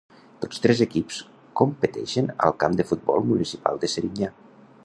Tots tres equips competeixen al camp de futbol municipal de Serinyà.